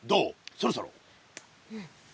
そろそろ。